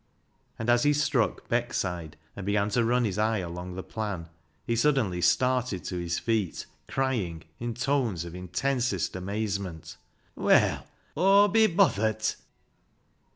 And as he struck Beckside and began to run his eye along the plan, he suddenly started to his feet, crying, in tones of intensest amazement —" Well, Aw'll be bothert